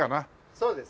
そうです。